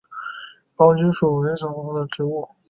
苞叶蓟为菊科蓟属的植物。